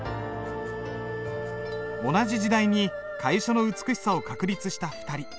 同じ時代に楷書の美しさを確立した２人。